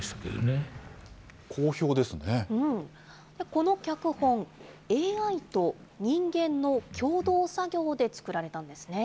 この脚本、ＡＩと人間の共同作業で作られたんですね。